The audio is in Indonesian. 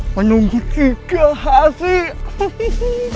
menyumbut tiga hasil